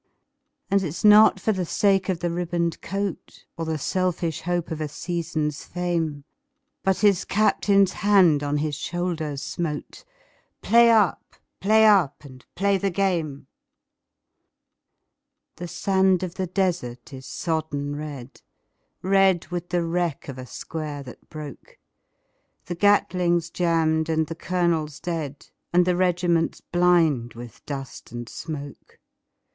And it's not for the sake of a ribboned coat, Or the selfish hope of a season's fame, But his Captain's hand on his shoulder smote "Play up! play up! and play the game!" The sand of the desert is sodden red, Red with the wreck of a square that broke; The Gatling's jammed and the colonel dead, And the regiment blind with dust and smoke.